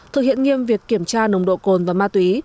thực hiện nghiêm việc kiểm tra nồng độ cồn và ma túy